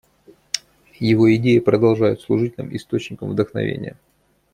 Его идеи продолжают служить нам источником вдохновения.